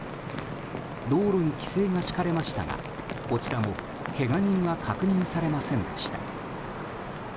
道路に規制が敷かれましたがこちらもけが人は確認されませんでした。